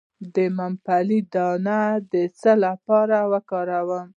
د ممپلی دانه د څه لپاره وکاروم؟